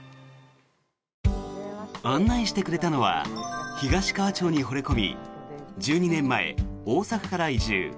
案内してくれたのは東川町にほれ込み１２年前、大阪から移住。